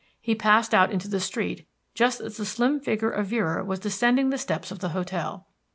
He passed out into the street just as the slim figure of Vera was descending the steps of the hotel.